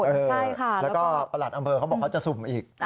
เออแล้วก็ประหลัดอำเภอเขาบอกเขาจะสุ่มอีก